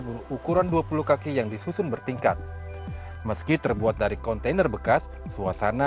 berukuran dua puluh kaki yang disusun bertingkat meski terbuat dari kontainer bekas suasana